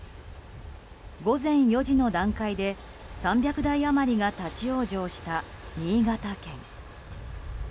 午前４時の段階で３００台余りが立ち往生した、新潟県。